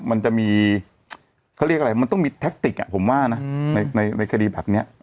มันจะมีเขาเรียกอะไรมันต้องมีแท็กติกผมว่านะในคดีแบบนี้